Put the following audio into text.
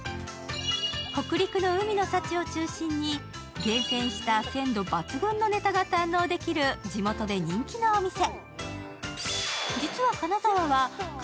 北陸の海の幸を中心に厳選した鮮度抜群のネタが堪能できる地元で人気のお店。